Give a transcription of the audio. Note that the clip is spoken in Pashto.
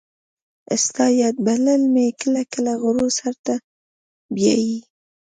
ستا یاد بلبل مې کله کله غرو سرو ته بیايي